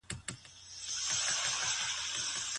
پښتو سینما د کلتوري سناریو شتمني ده نو دا فکري ټکر نه دی.